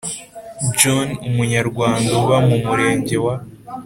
John Umunyarwanda uba mu Murenge wa